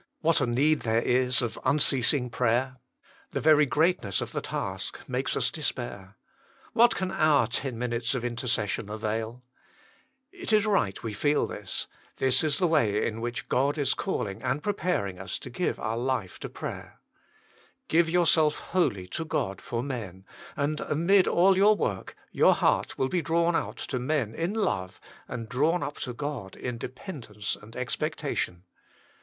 What a need there is of unceasing prayer? The very greatness of the task makes us despair ! What can our ten minutes of intercession avail ? It is right we feel this : this is the way in which God is calling and preparing us to give our life to prayer. Give yourself wholly to God for men, and amid all your work, your heart will he drawn out to men in love, and drawn up to God in dependence and expectation.